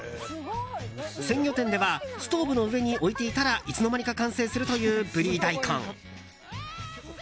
鮮魚店ではストーブの上に置いていたらいつの間にか完成するというブリ大根。